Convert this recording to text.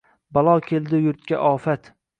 Balo keldi yurtga, ofat